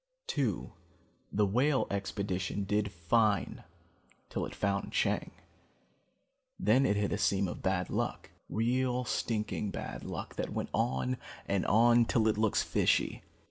(2) The Whale expedition did fine till it found Chang. Then it hit a seam of bad luck. Real stinking bad luck that went on and on till it looks fishy.